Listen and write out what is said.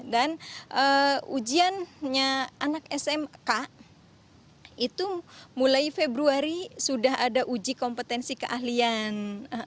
dan ujiannya anak smk itu mulai februari sudah ada uji kompetensi keahlian